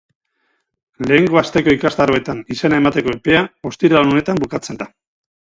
Lehengo asteko ikastaroetan izena emateko epea ostiral honetan bukatzen da.